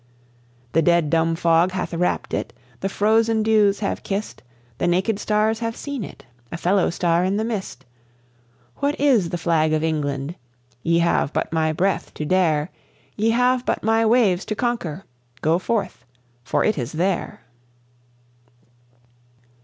"The dead dumb fog hath wrapped it the frozen dews have kissed The naked stars have seen it, a fellow star in the mist. What is the Flag of England? Ye have but my breath to dare, Ye have but my waves to conquer. Go forth, for it is there!"